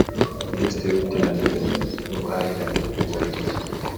Minisitiri w’iterambere n’ubuhahirane mu Bubiligi